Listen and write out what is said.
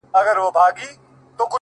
خو دوى يې د مريد غمى د پير پر مخ گنډلی،